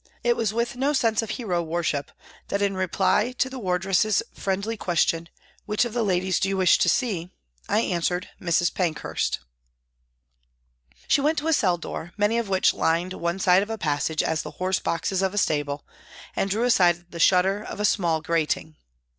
It was with no sense of hero worship that in reply to the wardress' friendly question, " Which of the ladies do you wish to see ?" I answered, " Mrs. Pank hurst." She went to a cell door, many of which lined one side of a passage as the horse boxes of a stable, and drew aside the shutter of a small grating.